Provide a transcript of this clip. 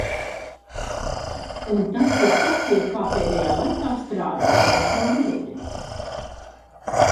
Un tas ir tas pie kā pēdējā laikā strādāju un tas nav viegli.